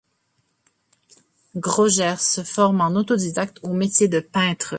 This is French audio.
Gröger se forme en autodidacte au métier de peintre.